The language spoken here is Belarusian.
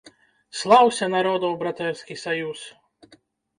Слаўся, народаў братэрскі саюз!